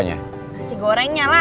masih gorengnya lah